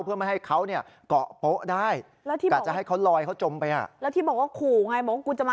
เพราะมันโดนน้ำรองรับก่อน